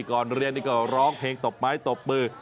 ก่อนเรียนนี่ก็ร้องเพลงตบไม้ตบมือ